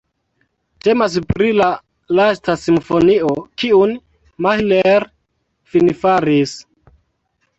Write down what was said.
Temas pri la lasta simfonio, kiun Mahler finfaris.